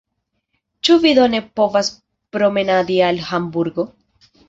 Ĉu vi do ne povas promenadi al Hamburgo?